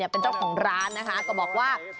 เป็นเจ้าของร้านนะคะก็บอกว่า